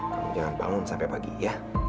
kamu jangan bangun sampai pagi ya